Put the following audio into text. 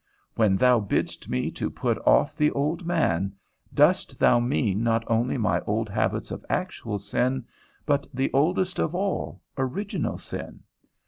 When thou bidst me to put off the old man, dost thou mean not only my old habits of actual sin, but the oldest of all, original sin?